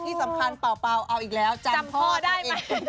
ที่สำคัญเป่าเอาอีกแล้วจำพ่อได้อีก